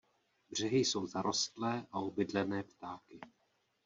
Břehy jsou zarostlé a obydlené ptáky.